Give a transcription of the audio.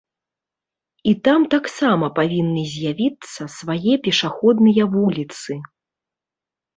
І там таксама павінны з'явіцца свае пешаходныя вуліцы.